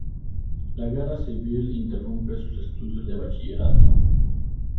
La guerra civil interrumpe sus estudios de bachillerato.